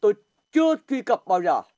tôi chưa truy cập bao giờ